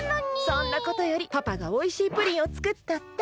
そんなことよりパパがおいしいプリンをつくったって！